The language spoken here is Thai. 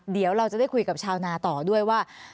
เดี๋ยวเราจะได้คุยกับชาวนาต่อด้วยว่า